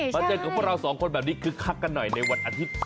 เจอกับพวกเราสองคนแบบนี้คึกคักกันหน่อยในวันอาทิตย์